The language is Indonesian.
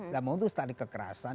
nah memutus tali kekerasan